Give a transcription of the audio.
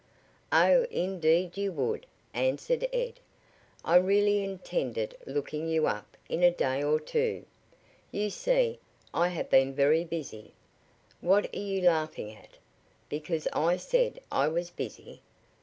"Oh, indeed you would," answered Ed. "I really intended looking you up in a day or two. You see, I have been very busy. What are you laughing at? Because I said I was busy?